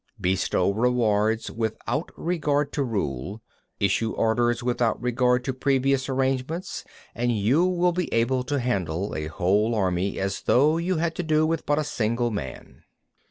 56. Bestow rewards without regard to rule, issue orders without regard to previous arrangements; and you will be able to handle a whole army as though you had to do with but a single man.